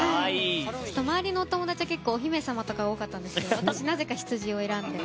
周りのお友達は結構、お姫様とかが多かったんですが私はなぜかヒツジを選んで。